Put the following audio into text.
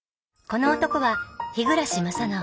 この男は日暮正直。